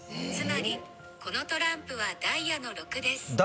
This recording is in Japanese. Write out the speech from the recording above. つまり、このトランプはダイヤの６です。